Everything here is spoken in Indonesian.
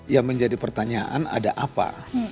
yang menjadi pertanyaan ada apa